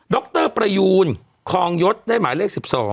รประยูนคลองยศได้หมายเลข๑๒